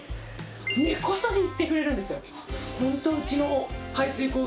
根こそぎいってくれるんですよ。